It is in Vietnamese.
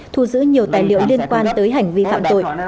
thu giữ nhiều tài liệu liên quan tới hành vi phạm tội